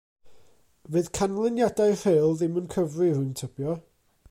Fydd canlyniadau Rhyl ddim yn cyfri, rwy'n tybio.